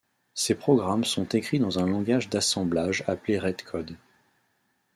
Ces programmes sont écrits dans un langage d'assemblage appelé Redcode.